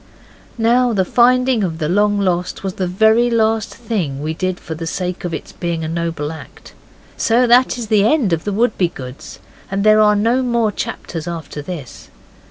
Now the finding of the long lost was the very last thing we did for the sake of its being a noble act, so that is the end of the Wouldbegoods, and there are no more chapters after this.